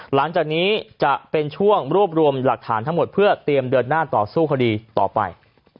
หลังจากนี้จะเป็นช่วงรวบรวมหลักฐานทั้งหมดเพื่อเตรียมเดินหน้าต่อสู้คดีต่อไป